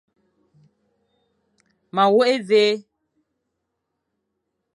Ma wôkh évé.